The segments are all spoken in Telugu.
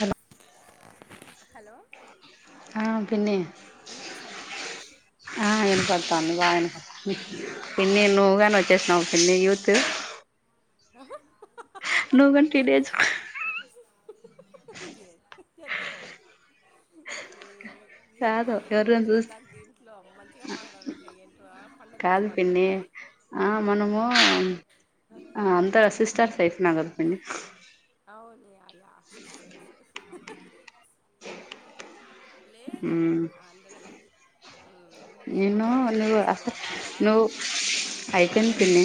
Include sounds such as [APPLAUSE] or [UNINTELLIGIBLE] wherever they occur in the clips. హలో హలో ఆ పిన్ని వినిపిస్తుందమ్మా ఆ వినపడతాంది ఆ బాఇనపడతాంది పిన్ని నువ్వు కాని చెప్పమా వచ్చేసినావు పిన్ని యూత్ ఆహ నువ్ గాని టీనేజ్ గే ఎదమ్మ [INAUDIBLE] ఏం కాదు మాట్లాడాలలో ఎవరిని కూడా తెలియదు చూస్త దానికి దీంట్లో మంచిగా మాట్లాడాలంటున్నా ఏంటో ఆ పండగ గురించి కాదు పిన్ని మాట్లాడాల ఆ మనము ఆ అందరు అసిస్టెంట్ అయిపోయినం కదా పిన్ని అవునే ఆక్ యా సిస్టర్స్ లేదు మ్మ్ అందడంది హ్మ్ ఏమ్మా నేను పండగ నువ్వు చేసేసినావ అసలు బాగా నువ్వు అయిపోయింది పిన్ని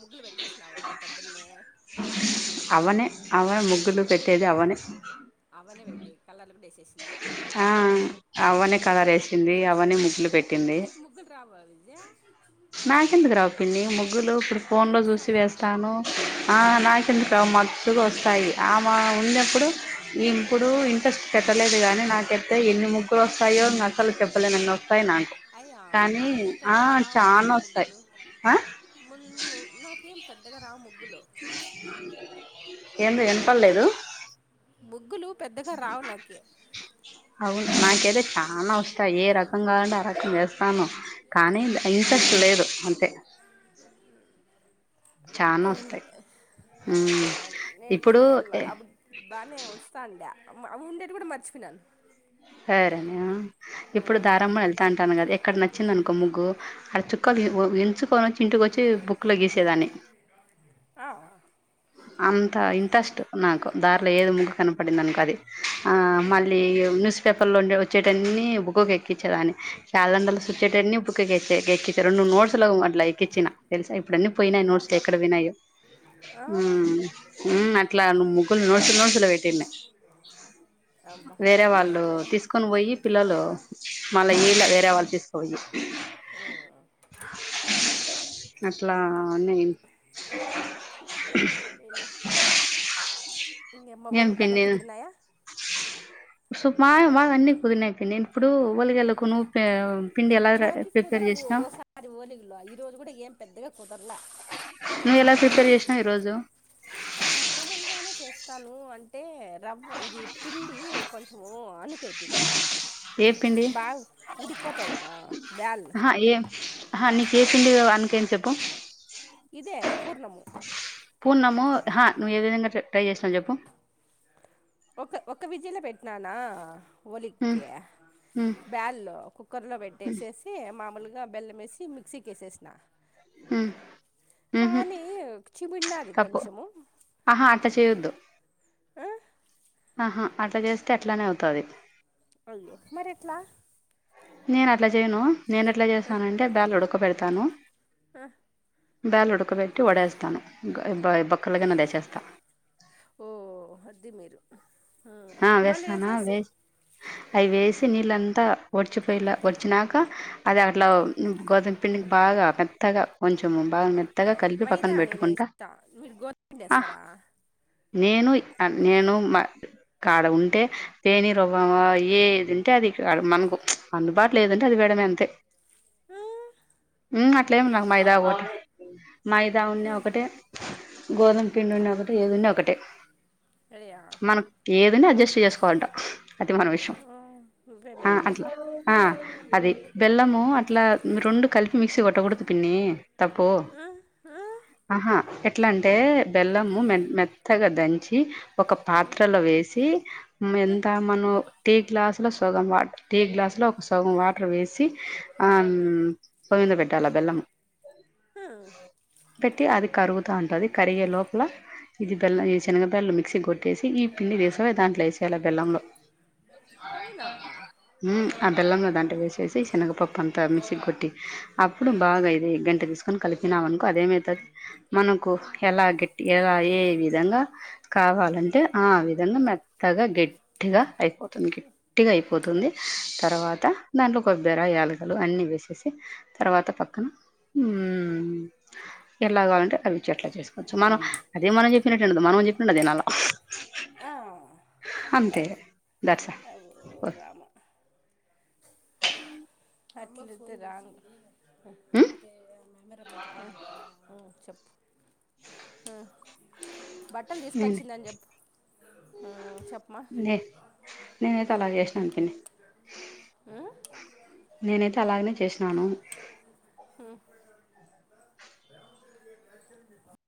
ముగ్గులు పెట్టేసినావా పొద్దున్నే అవ్వనే అవ్వనే ముగ్గులు పెట్టేది అవ్వనే అవ్వ నే పెట్టి కలర్ లు వేసేసింది ఆ అవ్వనే కలర్ ఓయమ్మ ఎసింది అవ్వనే ముగ్లు పెట్టింది దే నాకెందుకు రావు పిన్ని ముగ్గులు ఇప్పుడు ఫోన్ లో చూసి వస్తాయా వేస్తాను ఆ నాకెందుకు మత్తుగ వస్తాయి ఆమె ఉందే ప్పుడు ఇప్పుడు విన్పిస్ పెట్టలేదు గానీ నాకెస్తతే ఎన్ని ముగ్గురు వస్తాయో ఇంక అసలు చెప్పలే నన్న పైన కానీ ఆ మా చానా వస్తాయి ముగ్గులు ఆ ముందు నాకేం పెద్దగా రావ్ ముగ్ ఏందో విన్డ్పలేదు తక్ ముగ్గులు పెద్దగా రావు నాకి అవును నాకైతే చానా వస్తాయి ఏ రకం కావలంటే అ వేస్తాను కానీ ఇసర్ట్ లేదు అంతే చానా అవ్నే వస్తాయి ఆ ఉమ్, ఇప్పుడు నేర్చుకోవాల ఏ- అప్పుడు బానే వస్తండా మా అవి ఉండేట్వీ కూడా మర్చిపోయినాన్ సరే మే ఇప్పుడు దారమునా వెళ్తా అంటాను కదా ఎక్కడ నచ్చింది అనుకో ముగ్గు అడ్ చుక్ చుక్కల్ ఏమో ఎంచుకొని వచ్చి ఇంటికొచ్చి బుక్లో గీసేదాన్ని ఆ అంత చూడు ఇంట్రెస్ట్ నాకు దారిలో ఏదో ముగ్గ కనపడిందనుకో అది ఆ మళ్ళీ న్యూస్ న్యూస్ పేపర్ లో ఉండే వచ్చేటన్ని బుక్క ఎక్కించే దాని క్యాలెండరు వచ్చేటని బుక్ [UNINTELLIGIBLE] రేన్ ముడ్ నోట్స్ అట్లా ఎక్కించిన తెలుసా ఇప్పుడన్ని పోయినాయి నోట్స్లు ఆహా ఎక్కడ విన్నాయో ఆ మ్మ్ మ్మ్ అట్లాన్ ముగ్గులు నోట్స్ నోట్స్ లో పెట్టినాయి అబ్బా వేరే నువ్వే వాళ్ళు డో మేలే తీసుకొని పోయి ఆ పిల్లలు మళ్ళీ ఈలా వేరే వాళ్ళు తీసుక్పోయి అట్లా అని ఏం నిమ్మవల్ బన కుదు్రి నాయ స మా మా అన్నీ కుదన అయిపోయి నేను ఇప్పుడు వలిగ వెళ్ళకు ను నాకకి కుదురసారి నిగలో ఈ రరోజు కూడా ఏం పెద్దగా కుదరలా నువ్వు ఎలా ప్రిపేర్ జేసినవ్ ఈరోజు మామూలుగానే చేస్తాను అంటే రవ్వ ఇది పిండి కొం ఓ అనుకేపింది ఏ పిండి ఉడికిపోతాయి కదా బ్యాళ్ళు అహ ఏం అహ నీ కె పిండి అనుకె చెప్పు ఇదే పూర్ణము పున్నము అహ నువ్వు ఏ విధంగా ట ట్రై జేష్ణవ్ జెప్పు ఒక ఒక విజిలో పెట్టినానా హ్మ్ ఒలికె హ్మ్ బ్యాల్లో కుక్కర్లో పెట్టేసేసి మామూలు ఇగా బెలం ఏసి మిక్సీకెసేసిన హ్మ్ ఊహూ కానీ చిబిడునా తప్పు ఆహా అట్ట చెయొద్దు అ ఆహా అట్లా జేస్తే అట్లానే అవుతది అయ్యో మరి ఎట్లా నేను అట్లా జేయను నేను ఎట్లా జెస్తానంటే దాల్ ఉడుక్ బెడతాను అ బేలుడకబెట్టి వడేస్తాను ఇంగ బ బొక్కలగైనా దసేస్తా ఓ అది మీరు ఉమ్, ఆ మళ్ళీ వ్యస్తనా వేసేసి వేసి అవి వేసి నీళ్ళంతా ఒడిచిపోయలా ఒడిచినాక అది అట్లా ఉ గోధుమ్ పనికి బాగా మెత్తగా కొంచెం బాగా అవ్ మెత్తగా అవును కలిపి పక్కన మైదా పెట్టుకుంటా నేనేస్తా మీరు గోదుం పిండి ఏస్తారా నేన్ వి అ నేను మా కాడ ఉంటే పేని రవ్వ ఏదింటే అది కా మనకు ప్చ్ అందుబాటులో ఏదుంటే అది వేడమే అంతే ఆ ఉ అట్లే ఏం నాక్ మైదా ఒటె మైదా ఉన్ని ఒకటే గోధుం పిండి ఉన్నా ఒకటె ఏదున్నా ఒకటే అయా ఏదనా అడ్జస్ట్ చేస్కోంటా అది మన విషయం ఆ నువ్వే ఆ మేలులే అట్లా ఆ అది బెల్లము అట్లా రొండు కలిపి మిక్సీ వట్టకూడదు పిన్నీ తప్ప ఆ ఆహా ఎ ఎట్లా అంటే బెల్ము మె మెత్తగా దం చి ఒక ట్టలో వేసి ఎంత మనం టీ గ్లాసులో సగం వా టీ గ్లాసులో ఒక సుగం వాటర్ వేసి ఆ సోవిందపట టిలా బెల్లం హా పెట్టి అది కరుగుతూ ఉంటుంది కరిగే లోపల ఇది బల్ ఇది చిన్నగా బళ్ల్ళు క్సి కొట్టేసి ఈ పి దసవే దాంట్లో వెసి అలా బెల్లంలో అవునా ఆ బెల్లంలో దాంట వేసి చేసి శనగపపాప్ప అంత మిక్సీ కొట్టి అప్పుడు బాగా ఇది గంట తీసుకొని కలిపినాం అనుకో అదేమైతు మనకు ఎలా గట్టి ఎలా ఏ విధంగా కావాలంటే ఆ విధంగా మెత్తగా గట్టిగా అయిపోతు గట్టిగ అయిపోతుంది తర్వాత దాంట్లో కొబ్బర యాలగలు అన్నీ వేసేసి తర్వాత పక్కన ఉమ్ ఎలా కావాలంటే అవిచ్చ ఎట్లా చేసుకోవచ్చు మనం అదే మనం చెప్పినట్టుండదు మనం చెప్పినండడుదినాల ఆ అంతే అవు దర్సాఅల్ రామ అచ్చడుతు రాంగ్ [INAUDIBLE] ఉమ్ ఉమ్ చెప్పు హా బట్టలు నేను తీసుకొచ్చిందని చెప్పు చెప్పమా నే- నేనైతే అలా చేసినాను పిన్ని నేనైతే అలాగనే చేసినాను హు